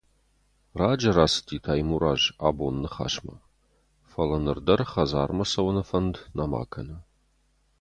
Раджы рацыди Таймураз абон Ныхасмӕ, фӕлӕ ныр дӕр хӕдзармӕ цӕуыны фӕнд нӕма кӕны.